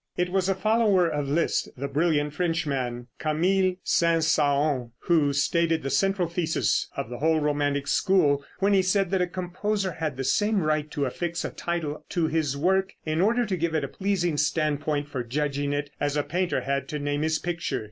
It was a follower of Liszt, the brilliant Frenchman, Camille Saint Saëns, who stated the central thesis of the whole romantic school, when he said that a composer had the same right to affix a title to his work, in order to give a pleasing standpoint for judging it, as a painter had to name his picture.